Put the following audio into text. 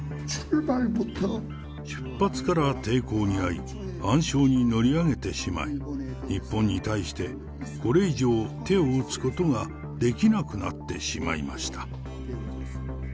出発から抵抗に遭い、暗礁に乗り上げてしまい、日本に対して、これ以上、手を打つことができなくなってしまいました。